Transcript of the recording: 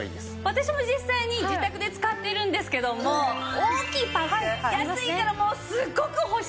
私も実際に自宅で使っているんですけども「大きいパック安いからもうすっごく欲しい。